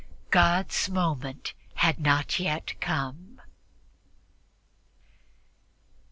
God's moment had not yet come.